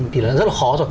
thì là rất là khó rồi